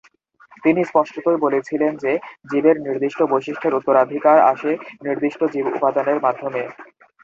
তিনি স্পষ্টতই বলেছিলেন যে জীবের নির্দিষ্ট বৈশিষ্ট্যের উত্তরাধিকার আসে নির্দিষ্ট জৈব উপাদানের মাধ্যমে।